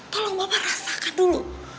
tolong bapak rasakan dulu